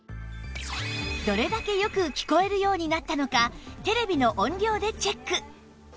どれだけよく聞こえるようになったのかテレビの音量でチェック